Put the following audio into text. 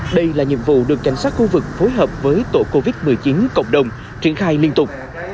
đây là nhiệm vụ được cảnh sát khu vực phối hợp với tổ covid một mươi chín cộng đồng triển khai liên tục